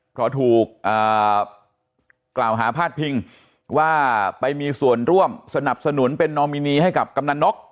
เพราะถูกกล่าวหาพาดพิงว่าไปมีส่วนร่วมสนับสนุนเป็นนอมินีให้กับกำนันนก